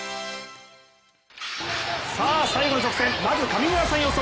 さあ最後の直線、まずは上村さん予想